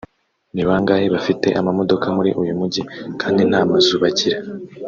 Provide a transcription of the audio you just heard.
“Ni bangahe bafite amamodoka muri uyu Mujyi kandi nta mazu bagira